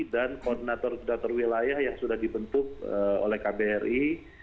dan koordinator koordinator wilayah yang sudah dibentuk oleh kbri